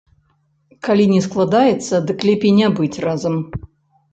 Калі не складаецца, дык лепей не быць разам.